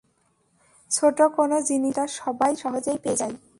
ছোট কোন জিনিসই যেটা সবাই সহজেই পেয়ে যায়।